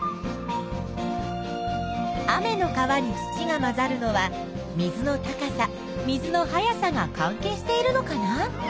雨の川に土が混ざるのは水の高さ水の速さが関係しているのかな？